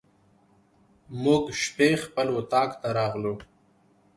موږ شپې خپل اطاق ته راغلو.